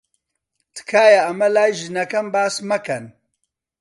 تکایە ئەمە لای ژنەکەم باس مەکەن.